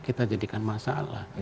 kita jadikan masalah